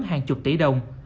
hàng chục tỷ đồng